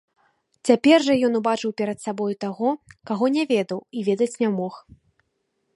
Цяпер жа ён убачыў перад сабою таго, каго не ведаў і ведаць не мог.